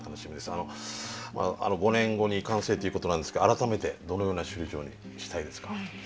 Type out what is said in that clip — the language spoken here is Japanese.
あの５年後に完成っていうことなんですが改めてどのような首里城にしたいですか？